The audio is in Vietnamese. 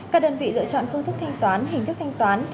các đơn vị lựa chọn phương thức thanh toán hình thức thanh toán